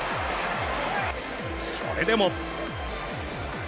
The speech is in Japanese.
それでも。